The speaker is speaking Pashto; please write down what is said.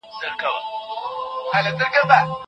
شراب به تر هغې وڅښل سي چي دا نړۍ وي.